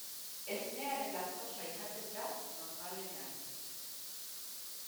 Esnearen laktosa izaten da, normalean.